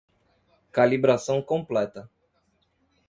Calibração completa.